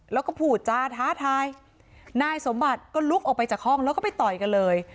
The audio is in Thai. แล้วก็พูดจาท้าทายนายสมบัติก็ลุกออกไปจากห้องแล้วก็ไปต่อยกันเลย